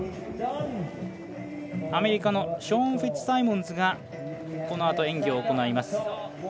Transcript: アメリカのショーン・フィッツサイモンズがこのあと演技を行います。